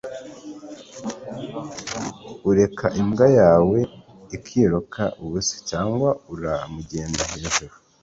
Ureka imbwa yawe ikiruka ubusa cyangwa uramugenda hejuru?